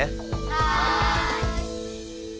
はい。